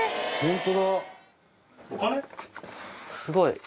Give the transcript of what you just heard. すごい。